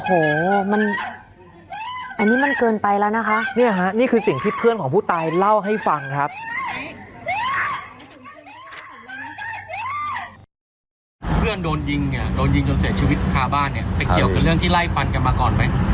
เพื่อนโดนยิงเนี่ยโดนยิงจนเสียชีวิตฆ่าบ้านเนี่ยเป็นเกี่ยวกับเรื่องที่ไล่ฟันกันมาก่อนไหม